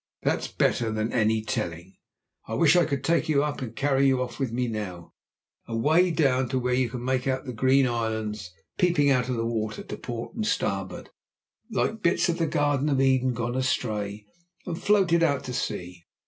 That's better than any telling. I wish I could take you up and carry you off with me now; away down to where you can make out the green islands peeping out of the water to port and starboard, like bits of the Garden of Eden gone astray and floated out to sea.